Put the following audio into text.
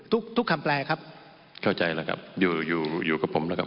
ทุกทุกคำแปลครับเข้าใจแล้วครับอยู่อยู่อยู่กับผมแล้วครับ